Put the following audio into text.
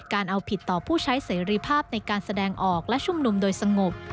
เอาผิดต่อผู้ใช้เสรีภาพในการแสดงออกและชุมนุมโดยสงบ